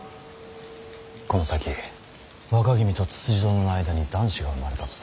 この先若君とつつじ殿の間に男子が生まれたとする。